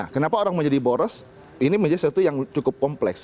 kenapa orang menjadi boros ini menjadi sesuatu yang cukup kompleks